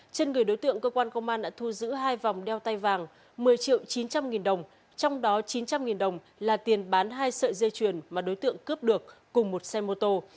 trên người đối tượng cơ quan công an đã thu giữ hai vòng đeo tay vàng một mươi triệu chín trăm linh nghìn đồng trong đó chín trăm linh đồng là tiền bán hai sợi dây chuyền mà đối tượng cướp được cùng một xe mô tô